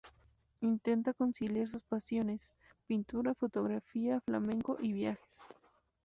Intenta conciliar sus pasiones: pintura, fotografía, flamenco y viajes.